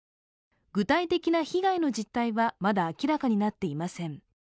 具体的な被害の実態はまだ明らかになっていません。